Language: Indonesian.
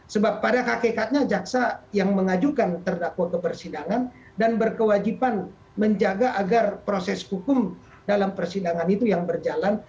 sebab pada hakikatnya jaksa yang mengajukan terdakwa ke persidangan dan berkewajiban menjaga agar proses hukum dalam persidangan itu yang berjalan